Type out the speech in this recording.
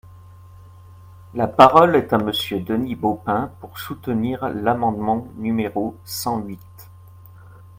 La parole est à Monsieur Denis Baupin, pour soutenir l’amendement numéro cent huit.